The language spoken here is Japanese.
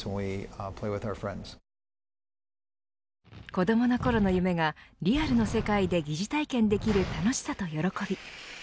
子どものころの夢がリアルの世界で疑似体験できる楽しさと喜び。